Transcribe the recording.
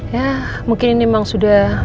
ya mungkin ini memang sudah